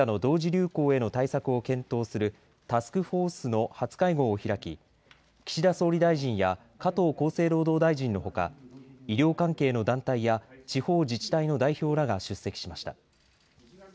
流行への対策を検討するタスクフォースの初会合を開き岸田総理大臣や加藤厚生労働大臣のほか医療関係の団体や地方自治体の代表らが出席しました。